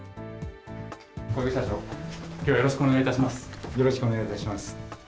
小池社長、きょうはよろしくお願よろしくお願いします。